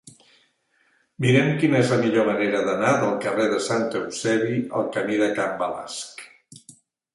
Mira'm quina és la millor manera d'anar del carrer de Sant Eusebi al camí de Can Balasc.